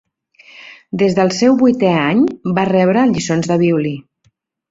Des del seu vuitè any, va rebre lliçons de violí.